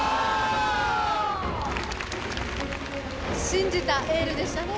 信じたエールでしたね。